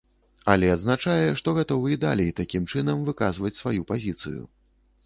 Але адзначае, што гатовы і далей такім чынам выказваць сваю пазіцыю.